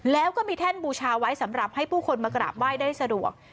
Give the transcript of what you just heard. แล้วก็มีแท่นบูชาไว้สำหรับให้ผู้คนมากราบไหว้ได้สะดวก